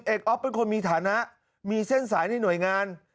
อ๊อฟเป็นคนมีฐานะมีเส้นสายในหน่วยงาน